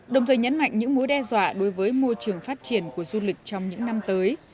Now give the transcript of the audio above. đồng thời nhấn mạnh những mối đe dọa đối với môi trường phát triển của du lịch trong những năm tới